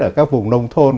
ở các vùng nông thôn